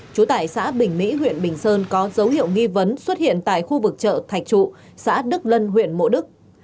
trú tại xã bình mỹ huyện bình sơn có dấu hiệu nghi vấn xuất hiện tại khu vực chợ thạch trụ xã đức lân huyện mộ đức